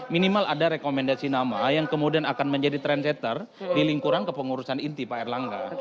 minimal ada rekomendasi nama yang kemudian akan menjadi trendsetter di lingkuran kepengurusan inti pak erlangga